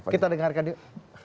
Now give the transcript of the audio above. kita dengarkan yuk